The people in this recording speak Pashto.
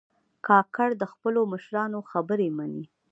کاکړ د خپلو مشرانو خبرې منې.